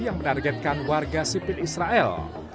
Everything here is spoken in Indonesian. yang menargetkan warga sipil israel